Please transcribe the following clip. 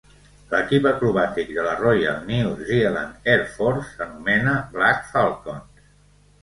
L'equip acrobàtic de la "Royal New Zealand Air Force" s'anomena "Black Falcons".